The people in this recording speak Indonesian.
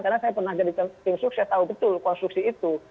karena saya pernah jadi kenting sukses tahu betul konstruksi itu